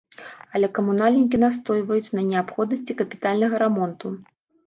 Але камунальнікі настойваюць на неабходнасці капітальнага рамонту.